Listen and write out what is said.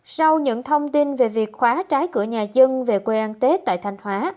sau nhận thông tin về việc khóa trái cửa nhà dân về quê an tết tại thanh hóa